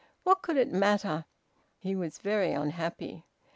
What could it matter? He was very unhappy.